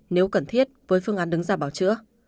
nếu cần thiết với phương án đứng ra bảo chữa